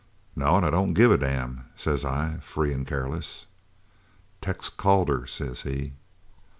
"'No, an' I don't give a damn,' says I, free an' careless. "'Tex Calder!' says he."